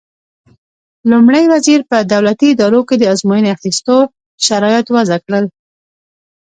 لومړي وزیر په دولتي ادارو کې د ازموینې اخیستو شرایط وضع کړل.